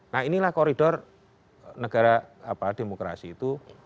nah inilah koridor negara demokrasi itu